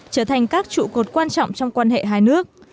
trở thành các trụ cột quan trọng trong quan hệ hai nước